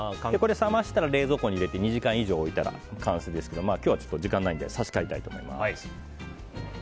冷ましたら冷蔵庫に入れて２時間以上置いたら完成ですが、今日は時間がないので差し替えます。